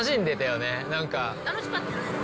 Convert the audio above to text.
楽しかったです。